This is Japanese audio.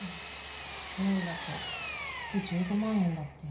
ローンだと月１５万円だって。